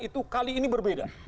itu kali ini berbeda